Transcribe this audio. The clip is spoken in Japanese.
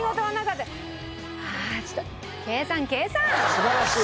素晴らしい。